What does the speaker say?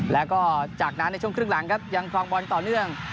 แล้วก็จากนั้นในช่วงครึ่งหลังครับยังคลองบอลต่อเนื่อง